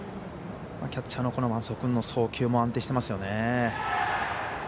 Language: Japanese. キャッチャーの松尾君の送球も安定していますよね。